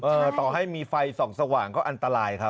ต่อให้มีไฟส่องสว่างก็อันตรายครับ